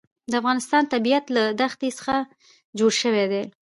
د افغانستان طبیعت له ښتې څخه جوړ شوی دی.